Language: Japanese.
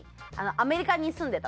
アメリカに住んでた。